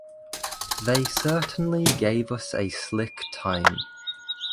They certainly gave us a slick time.